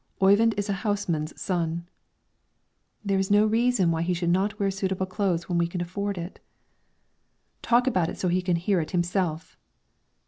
"Oyvind is a houseman's son." "That is no reason why he should not wear suitable clothes when we can afford it." "Talk about it so he can hear it himself!"